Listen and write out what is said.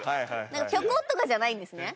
ピョコ！とかじゃないんですね。